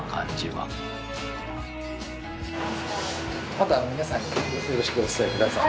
また皆さんによろしくお伝えください。